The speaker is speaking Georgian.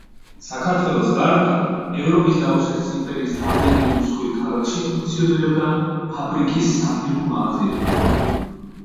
საქართველოს გარდა, ევროპის და რუსეთის იმპერიის რამდენიმე მსხვილ ქალაქში ფუნქციონირებდა ფაბრიკის საფირმო მაღაზიები.